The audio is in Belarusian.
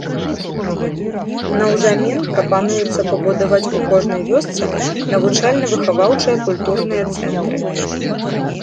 Наўзамен прапануецца пабудаваць у кожнай вёсцы навучальна-выхаваўчыя культурныя цэнтры.